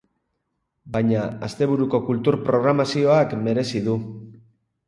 Baina asteburuko kultur programazioak merezi du.